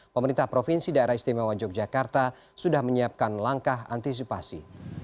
pemerintah provinsi daerah istimewa yogyakarta sudah menyiapkan langkah antisipasi